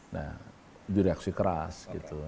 nah direaksi keras gitu